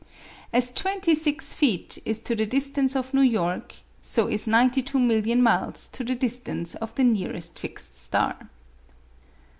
As twenty six feet is to the distance of New York, so is ninety two million miles to the distance of the nearest fixed star.